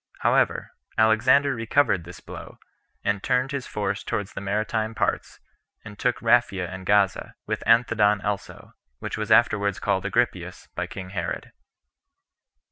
However, Alexander recovered this blow, and turned his force towards the maritime parts, and took Raphia and Gaza, with Anthedon also, which was afterwards called Agrippias by king Herod.